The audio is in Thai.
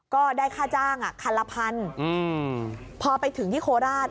ก็ได้ค่าจ้างคันละพันพอไปถึงที่โคราช